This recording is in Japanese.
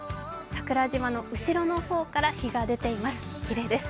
桜島の後ろの方から日が出ています、きれいです。